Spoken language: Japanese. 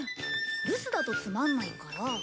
留守だとつまんないから。